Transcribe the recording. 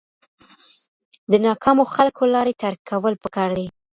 د ناکامو خلکو لارې ترک کول پکار دي.